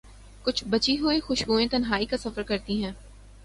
کچھ بچی ہوئی خوشبویں تنہائی کا سفر کرتی ہیں۔